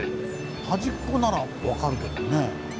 端っこなら分かるけどね。